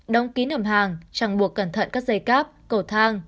đóng kín hầm hàng chẳng buộc cẩn thận các dây cáp cầu thang